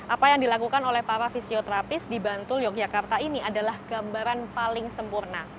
apa yang dilakukan oleh para fisioterapis di bantul yogyakarta ini adalah gambaran paling sempurna